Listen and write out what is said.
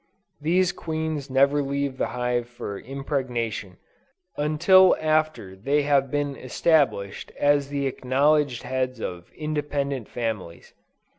These queens never leave the hive for impregnation, until after they have been established as the acknowledged heads of independent families.